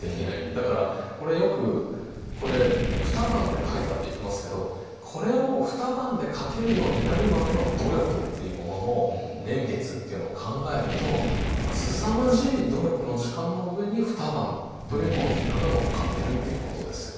だからこれよく「二晩で描いた」っていってますけどこれを二晩で描けるようになるまでの努力っていうものの年月っていうのを考えるとすさまじい努力の時間の上に二晩というこの結果が乗っかってるっていうことですよね。